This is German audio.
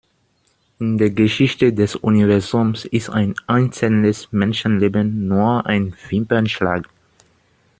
In der Geschichte des Universums ist ein einzelnes Menschenleben nur ein Wimpernschlag.